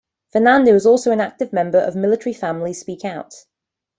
Fernando is also an active member of Military Families Speak Out.